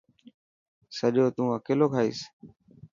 سڄو تون اڪيلو کائيس.